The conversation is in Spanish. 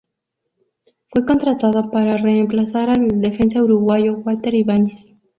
Fue contratado para reemplazar al defensa uruguayo Walter Ibáñez.